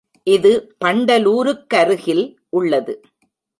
இது பண்டலூருக் கருகில் உள்ளது.